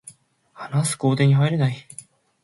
話す工程に入れない